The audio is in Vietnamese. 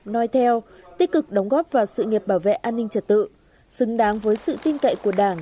nói theo tích cực đóng góp vào sự nghiệp bảo vệ an ninh trật tự xứng đáng với sự tin cậy của đảng